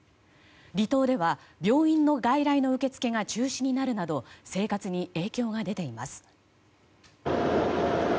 離島では病院の外来の受け付けが中止になるなど生活に影響が出ています。